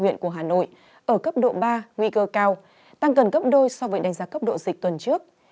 nguy cơ cao tăng gần gấp đôi so với đánh giá cấp độ dịch tuần trước